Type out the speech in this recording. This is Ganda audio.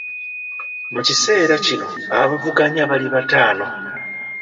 Mu kiseera kino abavuganya bali bataano.